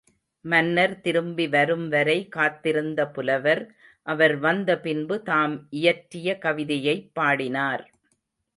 மன்னர் திரும்பி வரும்வரை காத்திருந்த புலவர், அவர் வந்த பின்பு தாம் இயற்றிய கவிதையைப் பாடினார்.